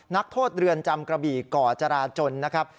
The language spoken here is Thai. นักโทษเรือนจำกระบี่ก่อจราจนนะครับ